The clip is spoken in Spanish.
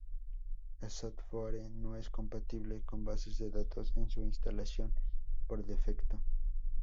El software no es compatible con bases de datos en su instalación por defecto.